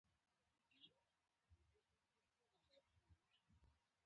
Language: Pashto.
د امریکا د پولاد جوړولو تشکیل کامیاب شو